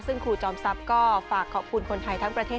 ซึ่งครูจอมทรัพย์ก็ฝากขอบคุณคนไทยทั้งประเทศ